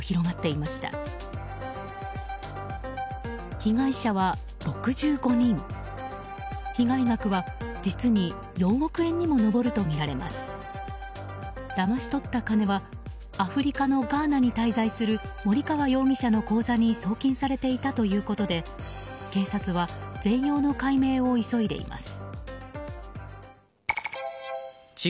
だまし取った金はアフリカのガーナに滞在する森川容疑者の口座に送金されていたということで警察は全容の解明を急いでいます。